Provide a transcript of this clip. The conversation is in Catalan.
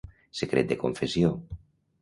Secret de confessió.